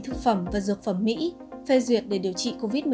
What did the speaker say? thực phẩm và dược phẩm mỹ phê duyệt để điều trị covid một mươi chín